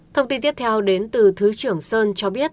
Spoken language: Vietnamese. thông tin tiếp theo đến từ thứ trưởng sơn cho biết